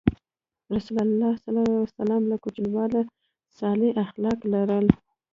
رسول الله ﷺ له کوچنیوالي صالح اخلاق لرل.